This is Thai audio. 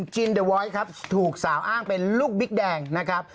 จินเดอร์วอยครับถูกสาวอ้างเป็นลูกบิ๊กแดงนะครับ